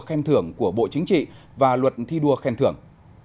khen thưởng của bộ chính trị và luật thi đua khen thưởng